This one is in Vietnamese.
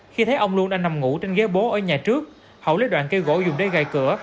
khi thấy ông luân đang nằm ngủ trên ghế bố ở nhà trước hậu lấy đoạn cây gỗ dùng để gài cửa